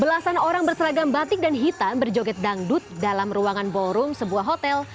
belasan orang berseragam batik dan hitam berjoget dangdut dalam ruangan ballroom sebuah hotel